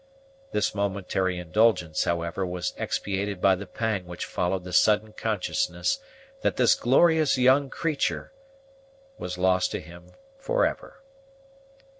This momentary indulgence, however, was expiated by the pang which followed the sudden consciousness that this glorious young creature was lost to him for ever.